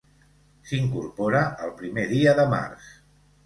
S'hi incorpora el primer dia de març.